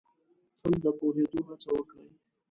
تل د پوهېدو هڅه وکړ ئ